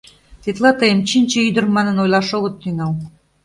Тетла тыйым Чинче ӱдыр м анын ойлаш огыт тӱҥал!